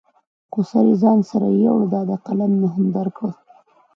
خو سر یې ځان سره یوړ، دا دی قلم مې هم درکړ.